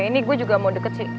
ini gue juga mau deket sih